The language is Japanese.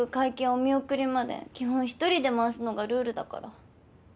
お見送りまで基本１人で回すのがルールだから。